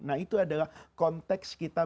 nah itu adalah konteks kita